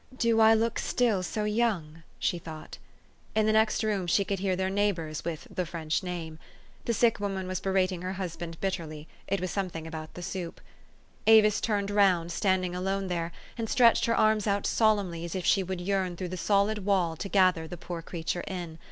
" Do I look still so young?" she thought. In THE STORY OF AVIS. 411 the next room she could hear their neighbors with the French name. The sick woman was berating her husband bitterly it was something about the soup. Avis turned round, standing alone there, and stretched her arms out solemnly as if she would yearn through the solid wall to gather the poor creature in.